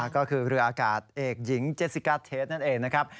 ก็คือเรืออากาศเอกหญิงเจสสิกาเทสนั่นเองนะครับ